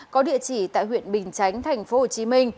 có địa chỉ tại huyện bình chánh tp hcm